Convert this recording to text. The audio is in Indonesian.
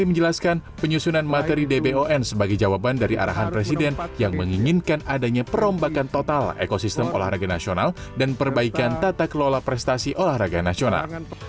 menjelaskan penyusunan materi dbon sebagai jawaban dari arahan presiden yang menginginkan adanya perombakan total ekosistem olahraga nasional dan perbaikan tata kelola prestasi olahraga nasional